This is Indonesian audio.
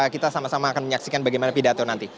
kita sama sama akan menyaksikan bagaimana pidato nanti